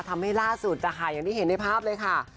ล่าสุดนะคะอย่างที่เห็นในภาพเลยค่ะ